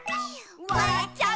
「わらっちゃう」